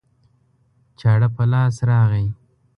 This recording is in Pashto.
چاړه په لاس راغی